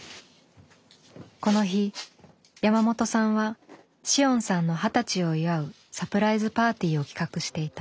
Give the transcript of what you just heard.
この日山本さんは紫桜さんの二十歳を祝うサプライズパーティーを企画していた。